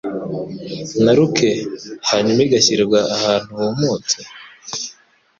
na ruke. Hanyuma igashyirwa ahantu humutse,